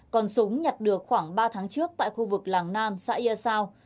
còn súng nhặt được khoảng ba tháng trước tại khu vực làng nam xã yà sao